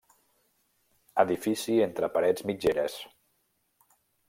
Edifici entre parets mitgeres.